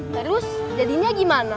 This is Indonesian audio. terus jadinya gimana